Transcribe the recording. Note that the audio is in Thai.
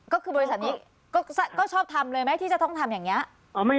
ก็คือบริษัทนี้ก็ชอบทำเลยไหมที่จะต้องทำอย่างนี้